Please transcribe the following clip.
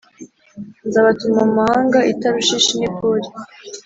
nzabatuma mu mahanga i Tarushishi ni Puli